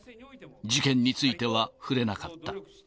事件については触れなかった。